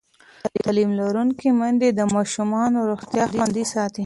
تعلیم لرونکې میندې د ماشومانو روغتیا خوندي ساتي.